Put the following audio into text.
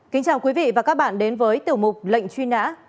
kính chào quý vị và các bạn đến với tiểu mục lệnh truy nã